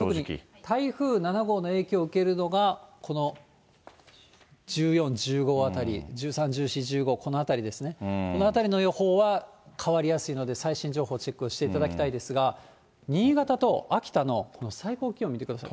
台風７号の影響を受けるのが、この１４、１５あたり、１３、１４、１５、このあたりですね、このあたりの予報は変わりやすいので、最新情報チェックをしていただきたいですが、新潟と秋田の最高気温見てください。